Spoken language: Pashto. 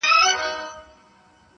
د ژورو اوبو غېږ کي یې غوټې سوې-